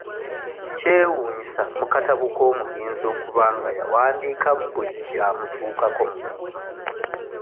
Kyewuunyisa mu katabo k'omugenzi okuba nga yawandiikamu buli kyamutuukako mu bulamu.